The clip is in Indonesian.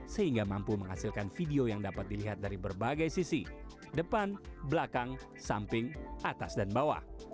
sisi depan belakang samping atas dan bawah